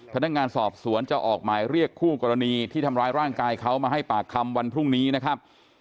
พนักงานสอบสวนจะออกหมายเรียกคู่กรณีที่ทำร้ายร่างกายเขามาให้ปากคำวันพรุ่งนี้นะครับ